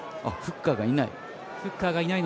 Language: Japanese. フッカーがいない。